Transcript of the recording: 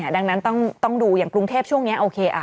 ดังนั้นต้องดูอย่างกรุงเทพช่วงนี้โอเค